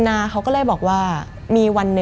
มันกลายเป็นรูปของคนที่กำลังขโมยคิ้วแล้วก็ร้องไห้อยู่